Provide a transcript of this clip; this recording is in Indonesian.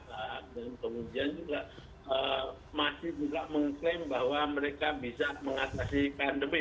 dan pengujian juga masih juga mengklaim bahwa mereka bisa mengatasi pandemi